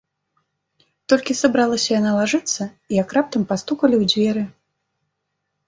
Толькі сабралася яна лажыцца, як раптам пастукалі ў дзверы.